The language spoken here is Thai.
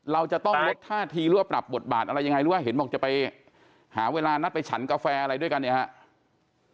เราจะต้องลดท่าทีหรือว่าปรับบทบาทอะไรยังไงหรือว่าเห็นบอกจะไปหาเวลานัดไปฉันกาแฟอะไรด้วยกันเนี่ยครับ